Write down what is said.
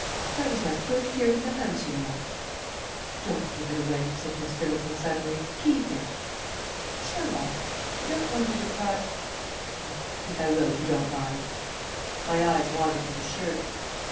"That was my first year for the house, you know." "Don't give it away," said Miss Middleton suddenly. "Keep it." "Shall I? I don't want to deprive Well, I think I will if you don't mind." My eyes wandered to the shirt.